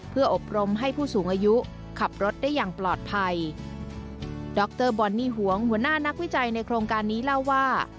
เพื่ออบรมให้ผู้สูงอายุขับรถได้อย่างปลอดภัยดรบอนนี่หวงหัวหน้านักวิจัยในโครงการนี้เล่าว่า